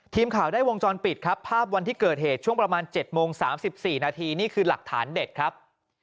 ทีมข่าวได้วงจรปิดครับภาพวันที่เกิดเหตุช่วงประมาณ๗โมง๓๔นาทีนี่คือหลักฐานเด็ดครับ